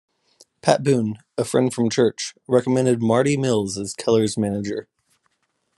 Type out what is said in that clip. Pat Boone, a friend from church, recommended Marty Mills as Keller's manager.